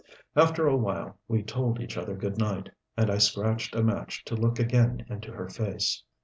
After a while we told each other good night, and I scratched a match to look again into her face.